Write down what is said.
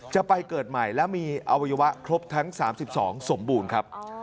จะไปเกิดใหม่และมีอวัยวะครบทั้ง๓๒สมบูรณ์ครับ